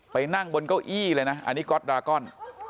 นั่งบนเก้าอี้เลยนะอันนี้ก๊อตดรากอน